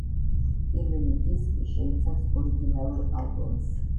პირველი დისკი შეიცავს ორიგინალურ ალბომს.